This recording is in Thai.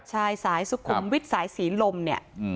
สายสุขุมวิทย์สายศรีลมเนี่ย